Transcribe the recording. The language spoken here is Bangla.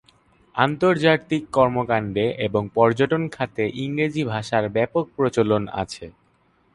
আন্তর্জাতিক কর্মকাণ্ডে এবং পর্যটন খাতে ইংরেজি ভাষার ব্যাপক প্রচলন আছে।